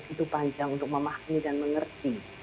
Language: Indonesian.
itu panjang untuk memahami dan mengerti